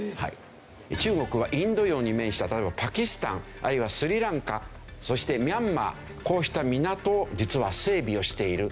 中国はインド洋に面した例えばパキスタンあるいはスリランカそしてミャンマーこうした港を実は整備をしている。